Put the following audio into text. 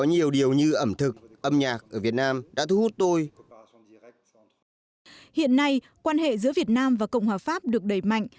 hiện nay quan hệ giữa việt nam và cộng hòa pháp được đẩy mạnh